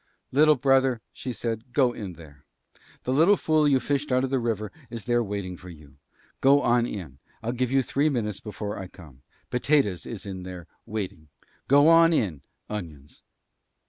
"Little Brother," she said, "go in there. The little fool you fished out of the river is there waiting for you. Go on in. I'll give you three minutes before I come. Potatoes is in there, waiting. Go on in, Onions."